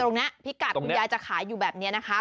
พิกัดคุณยายจะขายอยู่แบบนี้นะคะ